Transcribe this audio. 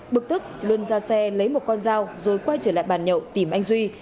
bực tức luân ra xe lấy một con dao rồi quay trở lại bàn nhậu tìm anh duy